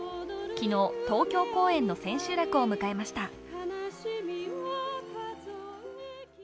昨日、東京公演の千秋楽を迎えました。